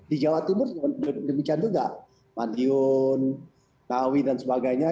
di jawa timur juga mandiun tawi dan sebagainya